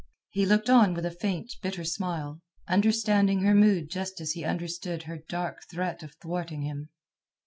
He looked on with a faint, bitter smile, understanding her mood just as he understood her dark threat of thwarting him.